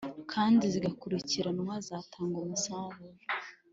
kandi zigakurikiranwa zatanga umusaruro